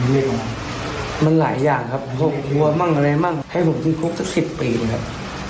มันมาหลายอย่างเพราะเวลามากให้ผมติดคุก๑๐ปีเลยครับ